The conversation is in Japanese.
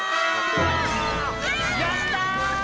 やった！